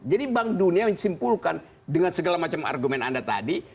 jadi bank dunia yang simpulkan dengan segala macam argumen anda tadi